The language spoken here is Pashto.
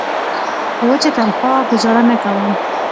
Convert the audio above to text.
په وچه تنخوا ګوزاره نه کوم.